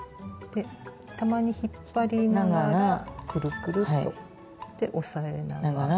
たまに引っ張りながらくるくるっと。で押さえながら。